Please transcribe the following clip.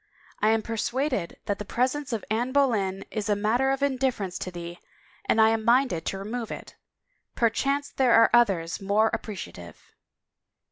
I am persuaded that the pres ence of Anne Boleyn is a matter of indifference to thee and I am minded to remove it. Perchance there are others more appreciative."